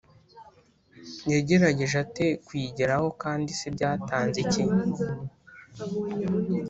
yagerageje ate kuyigeraho, kandi se byatanze iki?